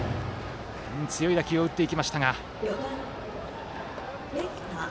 強い打球を打っていきましたが。